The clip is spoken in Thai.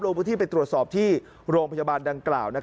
พื้นที่ไปตรวจสอบที่โรงพยาบาลดังกล่าว